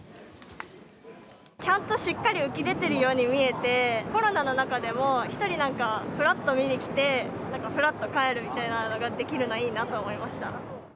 ちゃんとしっかり浮き出ているように見えて、コロナの中でも一人なんか、ふらっと見に来て、ふらっと帰るみたいなのができるのはいいなと思いました。